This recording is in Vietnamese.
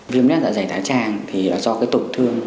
viêm lết dạ dày thái tràng thì là do cái tổn thương